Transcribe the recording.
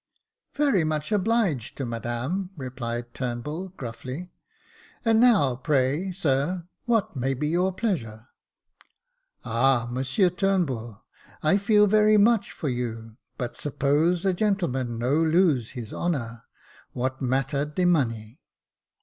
"Very much obliged to Madame," replied Turnbull, gruffly ;" and now, pray sir, what may be your pleasure ?"" Ah ! Monsieur Turnbull, I feel very much for you , but suppose a gentleman no lose his honour, what matter de money?"